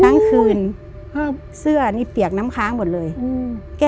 ทั้งคืนครับเสื้อนี่เปียกน้ำค้างหมดเลยอืมแก้